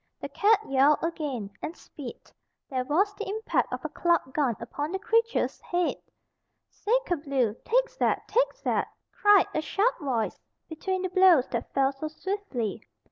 The cat yowled again, and spit. There was the impact of a clubbed gun upon the creature's head. "Sacre bleu! Take zat! And zat!" cried a sharp voice, between the blows that fell so swiftly.